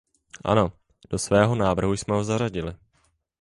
Ano, do svého návrhu jsme ho zařadili.